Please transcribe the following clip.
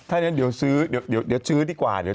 ถ้าอย่างนั้นเดี๋ยวซื้อดีกว่าช่วยพี่มิ๊กดีกว่าตอนนี้